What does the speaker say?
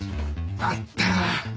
あった！